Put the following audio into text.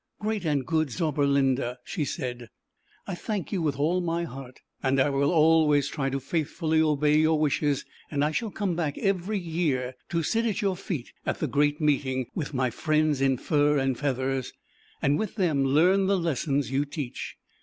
" Great and Good Zauberlinda," she said, "I thank you with all my heart and I will always try to faithfully obey your wishes, and I shall come back every year to sit at your feet at the Great Meeting, with my friends in Fur and Feathers, and with them learn the les sons you teach."